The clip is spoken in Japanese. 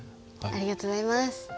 ありがとうございます。